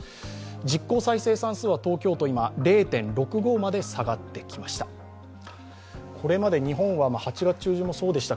実効再生産数は東京都０．６５まで下がってきました。